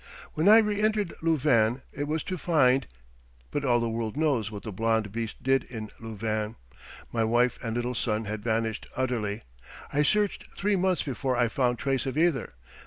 When I reentered Louvain it was to find ... But all the world knows what the blond beast did in Louvain. My wife and little son had vanished utterly. I searched three months before I found trace of either.